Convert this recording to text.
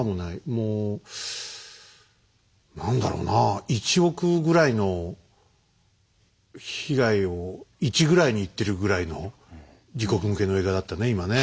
もう何だろうなあ１億ぐらいの被害を１ぐらいに言ってるぐらいの自国向けの映画だったね今ね。